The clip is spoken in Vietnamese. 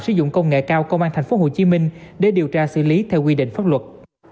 sử dụng công nghệ cao công an tp hcm để điều tra xử lý theo quy định pháp luật